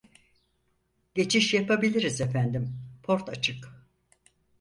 Geçiş yapabiliriz efendim port açık